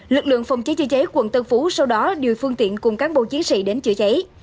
lực lượng phòng cháy chữa cháy quận tân phú sau đó điều phương tiện cùng cán bộ chiến sĩ đến chữa cháy